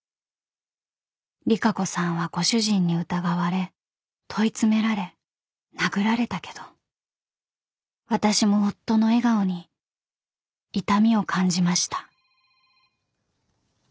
［利佳子さんはご主人に疑われ問い詰められ殴られたけど私も夫の笑顔に痛みを感じました］